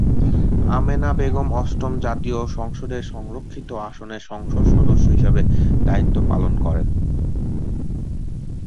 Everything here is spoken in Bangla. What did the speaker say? আমেনা বেগম অষ্টম জাতীয় সংসদের সংরক্ষিত আসনের সংসদ সদস্য হিসেবে দায়িত্ব পালন করেন।